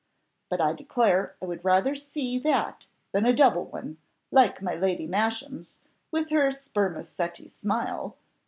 But I declare I would rather see that than a double one, like my Lady Masham's, with her spermaceti smile.